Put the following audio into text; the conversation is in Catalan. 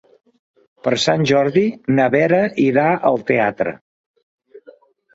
Per Sant Jordi na Vera irà al teatre.